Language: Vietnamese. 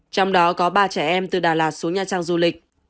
trong đó có ba trẻ em từ đà lạt xuống nha trang du lịch